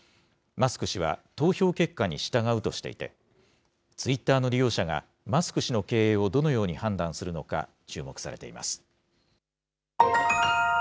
マスク氏は、投票結果に従うとしていて、ツイッターの利用者が、マスク氏の経営をどのように判断するのか、注目されています。